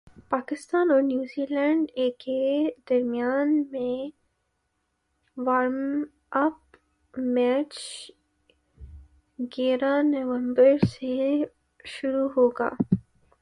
پاکستان اور New Zealand A کے درمیان وارم اپ میچ گیارہ نومبر سے شروع ہوگا